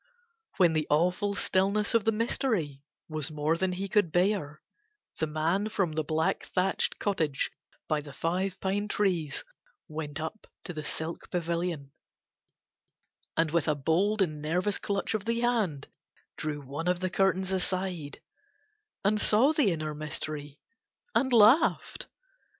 When the awful stillness of the mystery was more than he could bear the man from the black thatched cottage by the five pine trees went up to the silk pavilion, and with a bold and nervous clutch of the hand drew one of the curtains aside, and saw the inner mystery, and laughed.